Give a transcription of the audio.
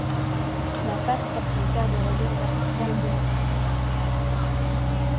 La face porte une paire de rayures verticales blanches.